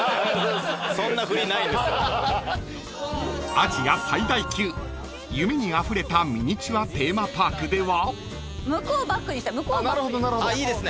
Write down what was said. ［アジア最大級夢にあふれたミニチュアテーマパークでは］